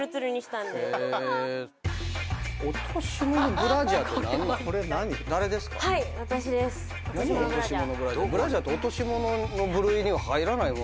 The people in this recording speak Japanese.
ブラジャーって落とし物の部類には入らない物。